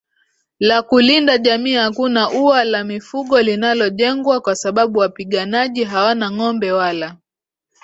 la kulinda jamii Hakuna ua la mifugo linalojengwa kwa sababu wapiganaji hawana ngombe wala